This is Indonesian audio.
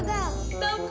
tak baik rek